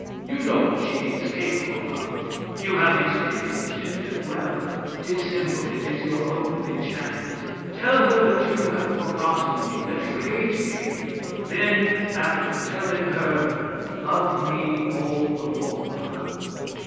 You know what she is capable of. You have experienced it too well. Dissemble; it is your only chance. Tell her that you have forgotten me, that you hate me; then after telling her, love me all the more."